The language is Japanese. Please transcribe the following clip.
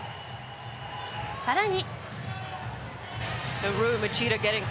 さらに。